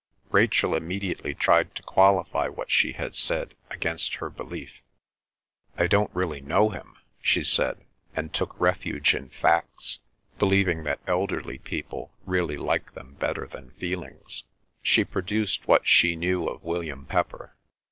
Rachel immediately tried to qualify what she had said against her belief. "I don't really know him," she said, and took refuge in facts, believing that elderly people really like them better than feelings. She produced what she knew of William Pepper.